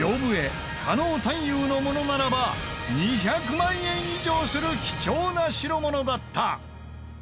狩野探幽のものならば２００万円以上する貴重な代物だった。